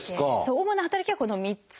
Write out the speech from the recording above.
主な働きはこの３つと。